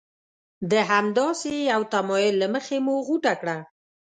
د همداسې یوه تمایل له مخې مو غوټه کړه.